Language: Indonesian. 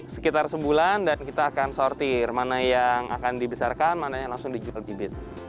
sekitar sebulan dan kita akan sortir mana yang akan dibesarkan mana yang langsung dijual bibit